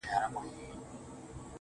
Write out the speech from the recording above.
څښل مو تويول مو شرابونه د جلال.